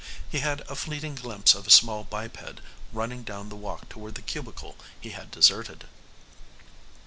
He had a fleeting glimpse of a small biped running down the walk toward the cubicle he had deserted.